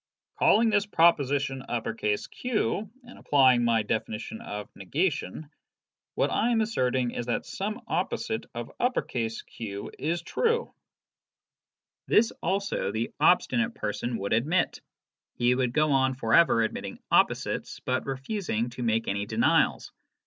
Calling this proposi tion Q, and applying my definition of negation, what I am asserting is that some opposite of Q is true." This also the obstinate person would admit. He would go on for ever admitting opposites, but refusing to make any denials.